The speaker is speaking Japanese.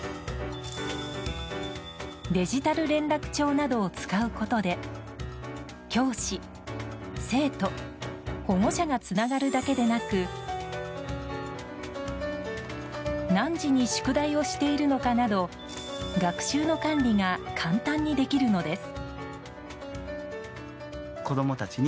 デジタル連絡帳などを使うことで教師、生徒、保護者がつながるだけでなく何時に宿題をしているのかなど学習の管理が簡単にできるのです。